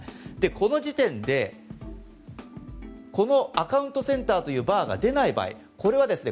この時点でこのアカウントセンターというバーが出ない場合これはですね